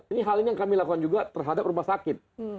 ini hal ini yang kami lakukan juga terhadap rumah sakit